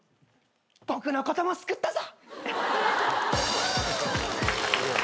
僕のことも救ったぞ。